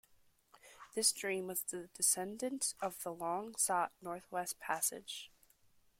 This dream was the descendant of the long sought Northwest Passage.